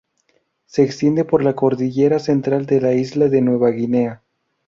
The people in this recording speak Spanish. Se extiende por la cordillera Central de la isla de Nueva Guinea.